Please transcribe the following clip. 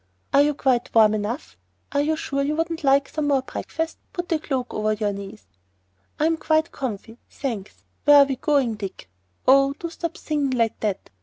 "Are you quite warm enough! Are you sure you wouldn't like some more breakfast? Put the cloak over you knees." "I'm quite comf'y, thanks. Where are we going, Dick? Oh, do stop singing like that.